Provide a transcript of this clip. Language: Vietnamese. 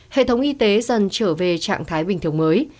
hệ thống y tế dần trở về trạng thái bình thường mới